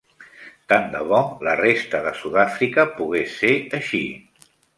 Tant de bo la resta de Sud-àfrica pogués ser així.